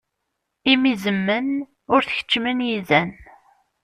Imi izemmen, ur t-keččmen yizan.